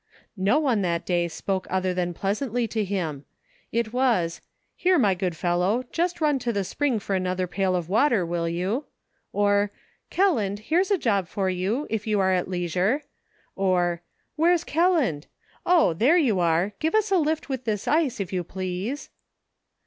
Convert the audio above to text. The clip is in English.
No one that day spoke other than pleasantly to him ; it was :" Here, my good fellow, just run to the spring for another pail of water, will you?" or, "Kelland, here's a job for you, if you are at leisure ;" or, "Where's Kelland ? Oh ! there you are ; give us a lift with this ice, if you please."